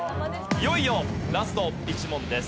いよいよラスト１問です。